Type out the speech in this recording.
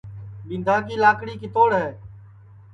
ٻِینٚدا کی لاکڑی کِتوڑ ہے